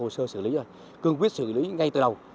hồ sơ xử lý rồi cương quyết xử lý ngay từ đầu